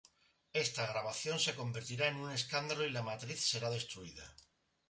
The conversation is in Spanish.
Esta grabación se convertirá en un escándalo y la matriz será destruida.